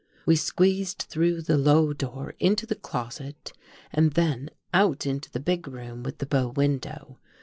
We squeezed through the low door into the closet and then out into the big room with the bow window.